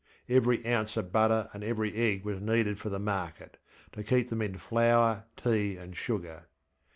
Every ounce of butter and every egg was needed for the market, to keep them in flour, tea, and sugar.